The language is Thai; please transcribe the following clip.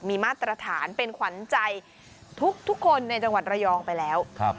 มีมาตรฐานเป็นขวัญใจทุกคนในจังหวัดระยองไปแล้ว